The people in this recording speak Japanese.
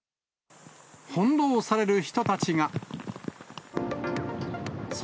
翻弄される人たちが。